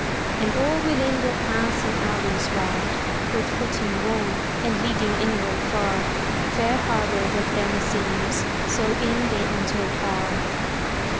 And all within were paths and alleys wide. With footing worn, and leading inward far; Fair harbor that them seems, so in they entered are.